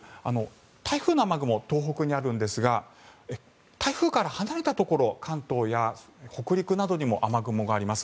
台風の雨雲、東北にあるんですが台風から離れたところ関東や北陸などにも雨雲があります。